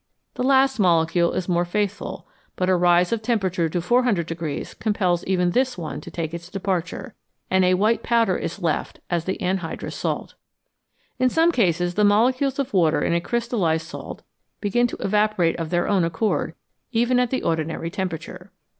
The last molecule is more faithful, but a rise of temperature to 400 compels even this one to take its departure, and a white powder is left as the anhydrous salt. In some cases the molecules of water in a crystallised salt begin to evaporate of their own accord even at the ordinary temperature.